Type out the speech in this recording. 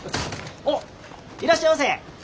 おっいらっしゃいませ！